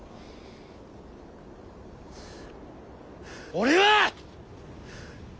俺は！